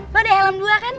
lo ada helm dua kan